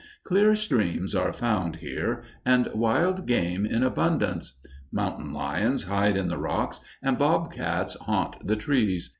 Clear streams are found here, and wild game in abundance. Mountain lions hide in the rocks, and bobcats haunt the trees.